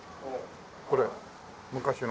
これ昔の。